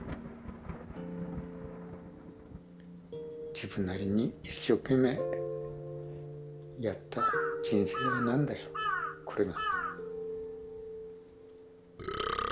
自分なりに一生懸命やった人生なんだよこれが。